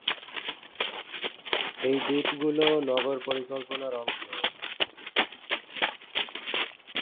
এই দ্বীপগুলো নগর পরিকল্পনার অংশ।